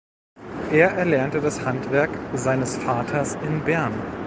Er erlernte das Handwerk seines Vaters in Bern.